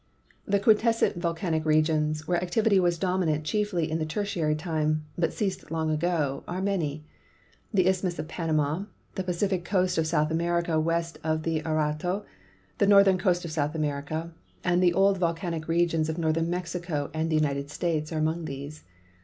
The quiescent volcanic regions, where activity was dominant chiefly in Tertiary time, but ceased long ago, are many. The isthmus of Panama, the Pacific coast of South America west of the Atrato, the northern coast of South America, and the old volcanic regions of northern Mexico and the United States are among these.